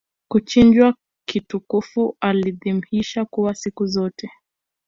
kuchinjwa kitukufu alidhihisha kuwa siku zote